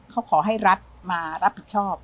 เขาขอให้รัฐมารับผิดชอบ